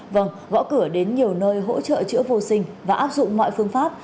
vâng gõ cửa đến nhiều nơi hỗ trợ chữa vô sinh và áp dụng mọi phương pháp